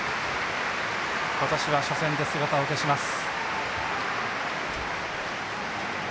今年は初戦で姿を消します。